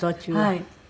はい。